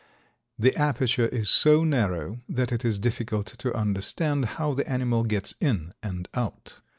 The aperture is so narrow that it is difficult to understand how the animal gets in and out.